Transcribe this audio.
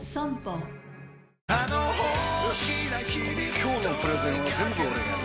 今日のプレゼンは全部俺がやる！